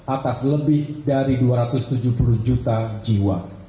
atas lebih dari dua ratus tujuh puluh juta jiwa